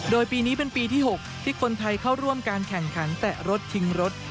โดยปีนี้เป็นปีที่๖ที่คนไทยเข้าร่วมการแข่งขันแตะรถชิงรถ